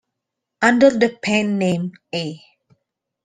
Under the pen name A.